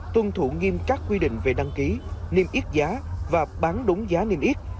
tuân thủ nghiêm các quy định về đăng ký niêm yết giá và bán đúng giá niêm yết